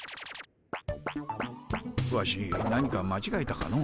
ワシ何かまちがえたかの？